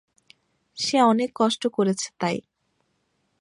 সে অনেক কষ্ট করেছে তাই।